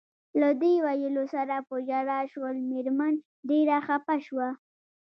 له دې ویلو سره په ژړا شول، مېرمن ډېره خپه شوه.